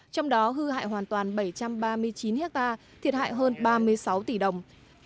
trong đó hư hại hoàn toàn bảy trăm ba mươi chín hectare thiệt hại hơn ba mươi sáu tỷ đồng